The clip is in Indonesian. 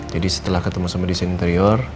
jadi setelah ketemu sama desain interior